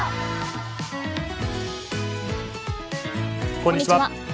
こんにちは。